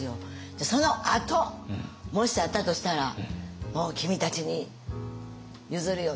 じゃあそのあともしあったとしたらもう君たちに譲るよ